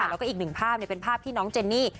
แล้วก็อีกหนึ่งภาพเป็นภาพที่น้องเจนนี่